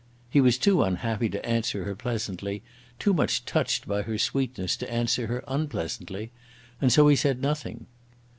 He was too unhappy to answer her pleasantly, too much touched by her sweetness to answer her unpleasantly; and so he said nothing.